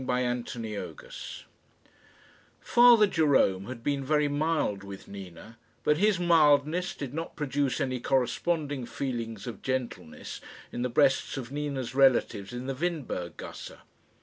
CHAPTER XIV Father Jerome had been very mild with Nina, but his mildness did not produce any corresponding feelings of gentleness in the breasts of Nina's relatives in the Windberg gasse.